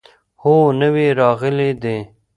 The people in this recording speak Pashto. هو، نوي راغلي دي